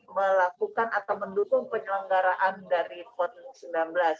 melakukan atau mendukung penyelenggaraan dari pon sembilan belas